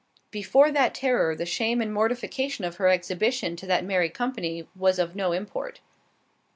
Before that terror the shame and mortification of her exhibition to that merry company was of no import.